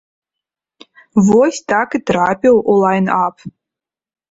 Вось так і трапіў у лайн-ап.